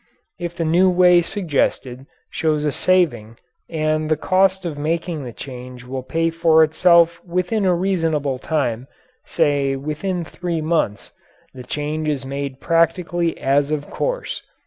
If the new way suggested shows a saving and the cost of making the change will pay for itself within a reasonable time say within three months the change is made practically as of course.